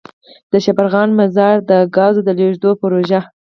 دشبرغان -مزار دګازو دلیږد پروژه.